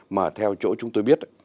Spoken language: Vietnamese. mà theo chỗ chúng tôi biết